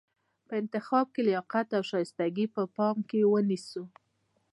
په انتخاب کې لیاقت او شایستګي په پام کې ونیسو.